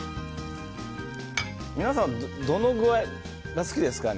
皆さん、どの具合が好きですか？